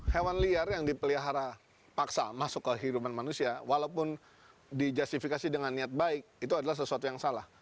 hewan liar yang dipelihara paksa masuk kehidupan manusia walaupun dijustifikasi dengan niat baik itu adalah sesuatu yang salah